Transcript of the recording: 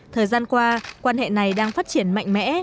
thời gian qua quan hệ này đang phát triển mạnh mẽ